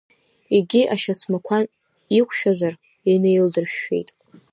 Егьи ашьацмақәа иқәшәазар инаилдыршәшәеит.